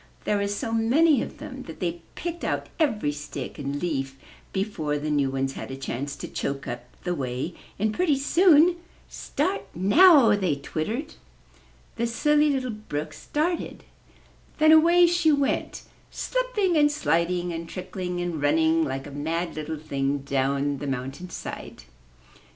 There were so many of them that they picked out every stick and leaf before the new ones had a chance to choke up the way and pretty soon, ''Start now!'* they twittered. 56 UP ONE PAIR OF STAIRS The Silly Little Brook started. Then away she went slipping, and sliding, and trickling, and running like a mad little thing down the mountain side.